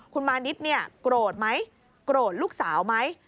คุณมานิดเนี่ยโกรธไหมโกรธลูกสาวไหม